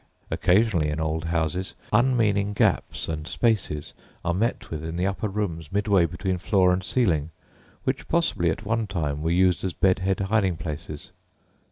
Occasionally, in old houses, unmeaning gaps and spaces are met with in the upper rooms midway between floor and ceiling, which possibly at one time were used as bed head hiding places.